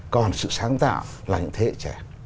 còn sự sáng tạo là những thế hệ trẻ